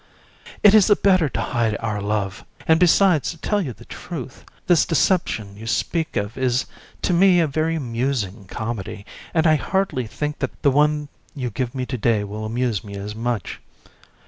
It is the better to hide our love; and, besides, to tell you the truth, this deception you speak of is to me a very amusing comedy, and I hardly think that the one you give me to day will amuse me as much.